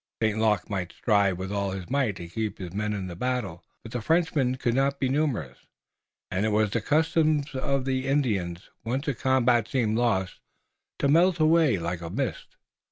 St. Luc might strive with all his might to keep his men in the battle, but the Frenchmen could not be numerous, and it was the custom of Indians, once a combat seemed lost, to melt away like a mist.